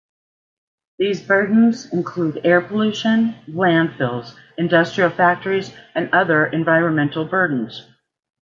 These burdens include air pollution, landfills, industrial factories, and other environmental burdens.